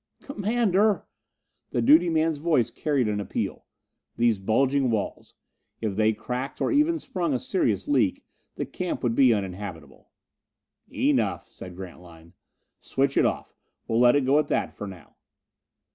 "Commander!" The duty man's voice carried an appeal. These bulging walls! If they cracked, or even sprung a serious leak, the camp would be uninhabitable.... "Enough," said Grantline. "Switch it off. We'll let it go at that for now."